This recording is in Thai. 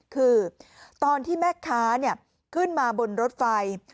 คือตอนที่แม่ค้าขึ้นมาบนรถไฟ